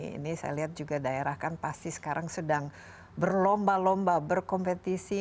ini saya lihat juga daerah kan pasti sekarang sedang berlomba lomba berkompetisi